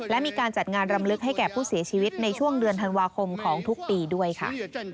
และมีการจัดงานรำลึกให้แก่ผู้เสียชีวิตในช่วงเดือนธันวาคมของทุกปีด้วยค่ะ